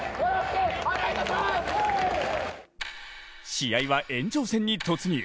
試合は延長戦に突入。